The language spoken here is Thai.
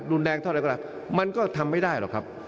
ดูแลแรงเท่าไหร่ก็ได้มันก็ทำไม่ได้หรอกครับ